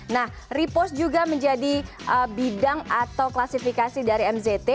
nah repost juga menjadi bidang atau klasifikasi dari mzt